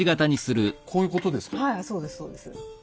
はいそうですそうです。